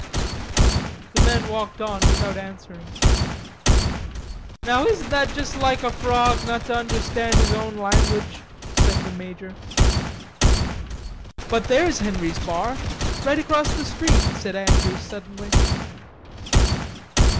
The man walked on without answering. "Now isn't that like a frog, not to understand his own language?" said the major. "But there's Henry's Bar, right across the street," said Andrews suddenly.